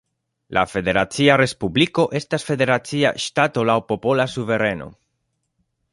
La Federacia Respubliko estas federacia ŝtato laŭ popola suvereno.